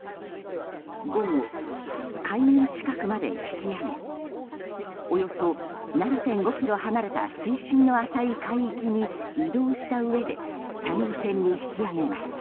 午後、海面近くまで引き揚げおよそ７．５ｋｍ離れた水深の浅い海域に移動したうえで作業船に引き揚げます。